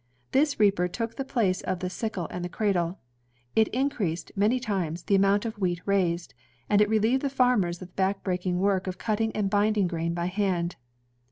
This reaper took the place of the sickle and the cradle; it in creased, many times, the amount of wheat raised, and it relieved the farmers of the back breaking work of cutting and binding grain by hand.